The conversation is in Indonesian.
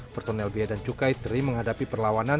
personel bia dan cukai sering menghadapi perlawanan